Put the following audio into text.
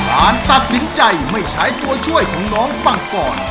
การตัดสินใจไม่ใช้ตัวช่วยของน้องฟังก่อน